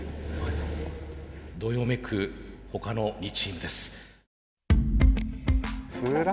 どよめく他の２チームです。